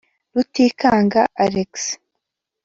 Rutikanga Alex